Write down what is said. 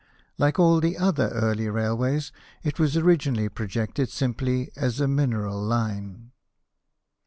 Like all the other early railways, it was originally projected simply as a mineral line.